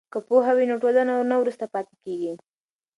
که پوهه وي نو ټولنه نه وروسته پاتې کیږي.